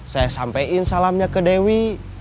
saya sampaikan salamnya ke dewi